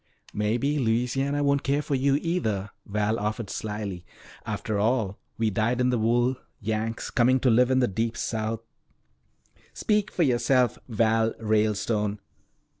"Maybe Louisiana won't care for you either," Val offered slyly. "After all, we dyed in the wool Yanks coming to live in the deep South " "Speak for yourself, Val Ralestone."